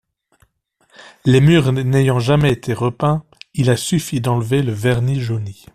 Les murs n'ayant jamais été repeints, il a suffi d'enlever le vernis jauni.